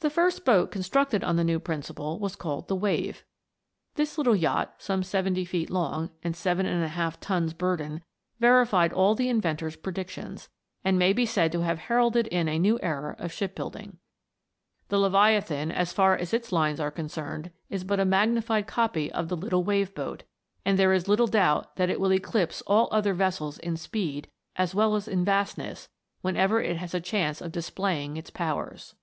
The first boat constructed on the new principle was called the Wave. This little yacht, some seventy feet long, and seven and a half tons burden, verified all the inventor's predictions, and may be said to have heralded in a new era of ship building. The Leviathan, as far as its lines are concerned, is but a magnified copy of the little Wave boat ; and there is little doubt that it will eclipse all other vessels in speed, as well as in vastness, whenever it has a chance of displaying its powers.